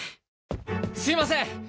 すみません！